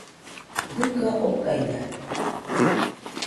Dɨga okaina.